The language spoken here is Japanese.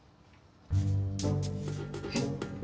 えっ！